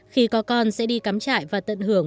khi có con sẽ đi cắm trại và tận hưởng